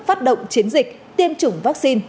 phát động chiến dịch tiêm chủng vaccine